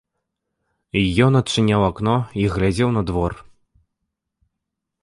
Ён адчыняў акно і глядзеў на двор.